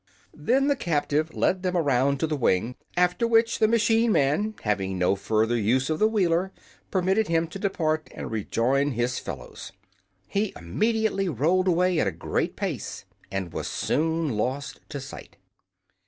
Then the captive led them around to the wing, after which the machine man, having no further use for the Wheeler, permitted him to depart and rejoin his fellows. He immediately rolled away at a great pace and was soon lost to sight.